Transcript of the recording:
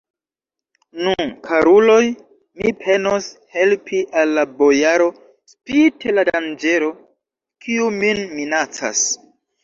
Nu, karuloj, mi penos helpi al la bojaro, spite la danĝero, kiu min minacas.